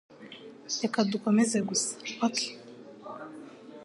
Reka dukomeze gusa, OK?